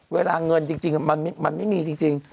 เวลาเงินจริงมันไม่มีจริง